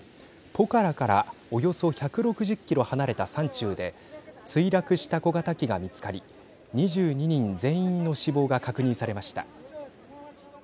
ポカラからおよそ１６０キロ離れた山中で墜落した小型機が見つかり２２人全員の死亡が確認されました。